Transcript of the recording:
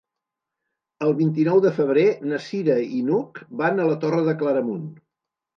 El vint-i-nou de febrer na Cira i n'Hug van a la Torre de Claramunt.